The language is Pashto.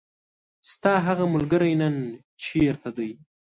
ستاهغه ملګری نن چیرته ده .